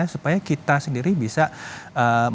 supaya kita sendiri bisa mengembangkan